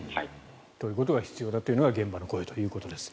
ということが必要だということが現場の声です。